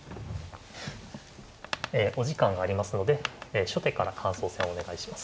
えお時間がありますので初手から感想戦お願いします。